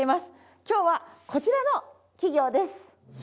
今日はこちらの企業です。